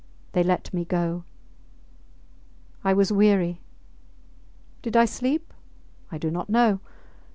. They let me go. I was weary. Did I sleep? I do not know.